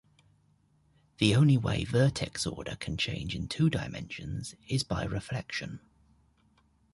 The only way vertex order can change in two dimensions is by reflection.